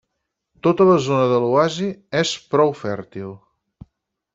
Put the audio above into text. Tota la zona de l'oasi és prou fèrtil.